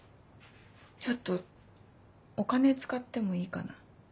ちょっとお金使ってもいいかな？